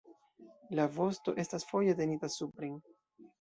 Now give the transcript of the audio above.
La vosto estas foje tenita supren.